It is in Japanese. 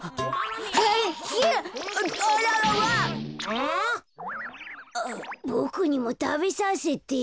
あボクにもたべさせて。